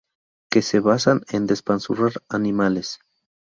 que se basan en despanzurrar animales